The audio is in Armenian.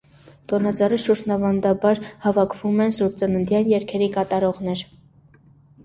Տոնածառի շուրջն ավանդաբար հավաքվում են սուրբծննդյան երգերի կատարողներ։